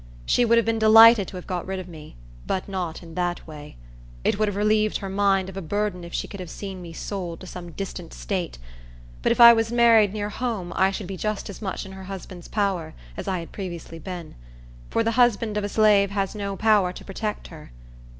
She would have been delighted to have got rid of me, but not in that way. It would have relieved her mind of a burden if she could have seen me sold to some distant state, but if I was married near home I should be just as much in her husband's power as I had previously been,—for the husband of a slave has no power to protect her.